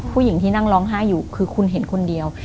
ผู้หญิงที่นั่งร้องไห้อยู่คือคุณเห็นคนเดียว